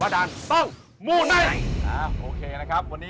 เอาง่ายตอนพระองค์สวรรค์ทั้งคนไปแล้วพระอธิษฐาตุของพระองค์ก็มาอยู่ที่นี่